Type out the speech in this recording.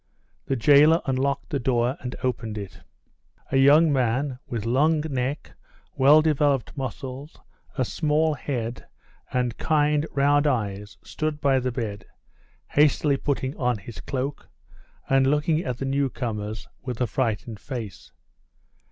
The jailer unlocked the door and opened it. A young man, with long neck, well developed muscles, a small head, and kind, round eyes, stood by the bed, hastily putting on his cloak, and looking at the newcomers with a frightened face.